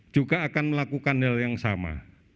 yang melakukan hal yang sama